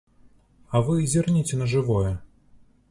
А вы зірніце на жывое.